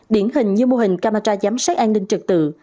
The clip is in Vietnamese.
điển hình như mô hình camera giám sát an ninh trực tự